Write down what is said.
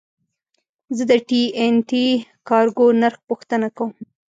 زه د ټي این ټي کارګو نرخ پوښتنه کوم.